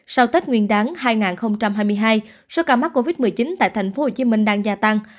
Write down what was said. sau tết nguyên đáng hai nghìn hai mươi hai số ca mắc covid một mươi chín tại tp hcm đang gia tăng